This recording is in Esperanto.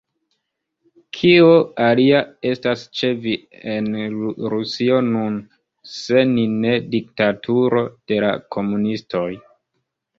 Kio alia estas ĉe vi en Rusio nun, se ne diktaturo de la komunistoj?